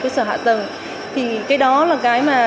cơ sở hạ tầng thì cái đó là cái mà